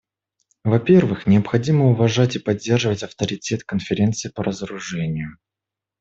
Во-первых, необходимо уважать и поддерживать авторитет Конференции по разоружению.